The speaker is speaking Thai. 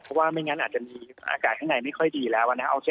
เพราะว่าไม่งั้นอาจจะมีอากาศข้างในไม่ค่อยดีแล้วนะครับ